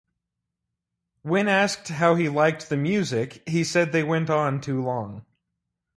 When asked how he liked the music he said they went on too long.